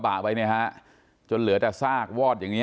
ต้องด้วยบอกว่าเหมือนทั้งนู้นเธอมาทำร้ายเขา